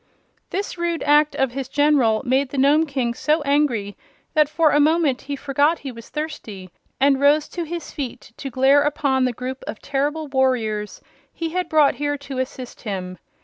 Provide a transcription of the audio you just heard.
This rude act of his General made the Nome King so angry that for a moment he forgot he was thirsty and rose to his feet to glare upon the group of terrible warriors he had brought here to assist him.